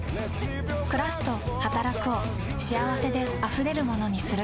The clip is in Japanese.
「くらす」と「はたらく」を幸せであふれるものにするために。